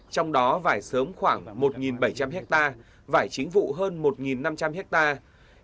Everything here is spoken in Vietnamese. trong đó vải sớm khoảng một bảy trăm linh hectare vải chính vụ hơn một năm trăm linh hectare